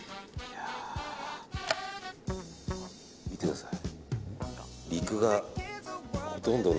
見てください。